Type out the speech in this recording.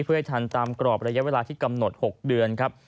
เพื่อให้ทันตามกรอบระยะเวลาที่กำหนด๖เดือนครับ